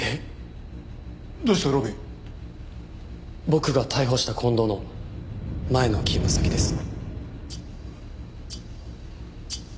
僕が逮捕した近藤の前の勤務先です。